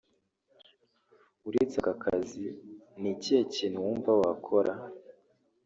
Uretse aka kazi ni ikihe kintu wumva wakora